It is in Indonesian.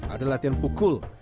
ada latihan pukul